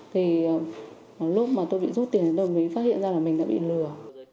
thì lúc mà tôi bị rút tiền đầu mới phát hiện ra là mình đã bị lừa